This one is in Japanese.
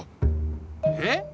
えっ？